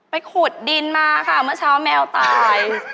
ขุดดินมาค่ะเมื่อเช้าแมวตาย